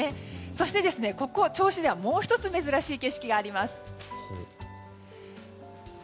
そして、ここ銚子ではもう１つ珍しい景色があります。